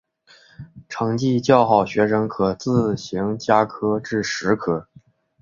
成绩较好学生可自行加科至十科。